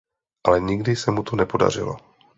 Ale nikdy se mu to nepodařilo.